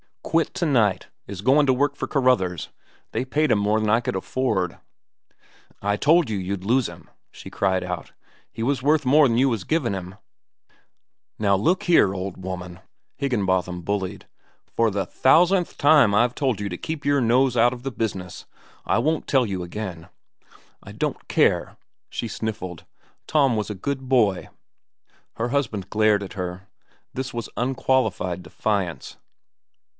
"Quit to night. Is goin' to work for Carruthers. They paid 'm more'n I could afford." "I told you you'd lose 'm," she cried out. "He was worth more'n you was giving him." "Now look here, old woman," Higginbotham bullied, "for the thousandth time I've told you to keep your nose out of the business. I won't tell you again." "I don't care," she sniffled. "Tom was a good boy." Her husband glared at her. This was unqualified defiance.